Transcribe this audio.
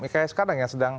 kayak sekarang ya